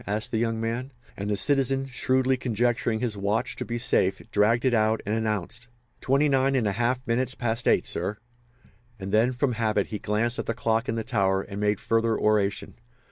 asked the young man; and the citizen, shrewdly conjecturing his watch to be safe, dragged it out and announced: "Twenty nine and a half minutes past eight, sir." And then, from habit, he glanced at the clock in the tower, and made further oration.